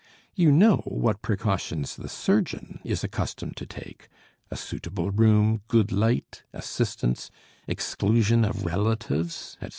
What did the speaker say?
You know what precautions the surgeon is accustomed to take: a suitable room, good light, assistance, exclusion of relatives, etc.